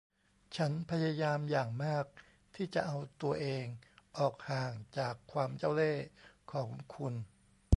ฉันพยายามอย่างมากที่จะเอาตัวเองออกห่างจากความเจ้าเล่ห์ของคุณ